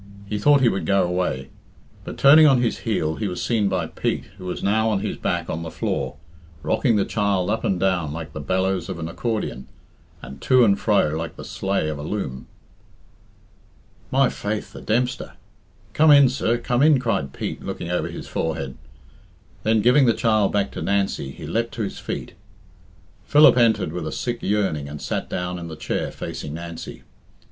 He thought he would go away. But turning on his heel, he was seen by Pete, who was now on his back on the floor, rocking the child up and down like the bellows of an accordion, and to and fro like the sleigh of a loom. "My faith, the Dempster! Come in, sir, come in," cried Pete, looking over his forehead. Then, giving the child back to Nancy, he leapt to his feet. Philip entered with a sick yearning and sat down in the chair facing Nancy.